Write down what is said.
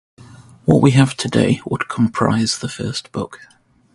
What we have today would comprise the first book.